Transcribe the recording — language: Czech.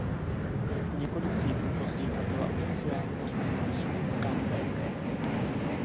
O několik týdnů později kapela oficiálně oznamuje svůj comeback.